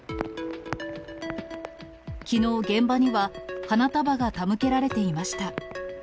きのう、現場には花束が手向けられていました。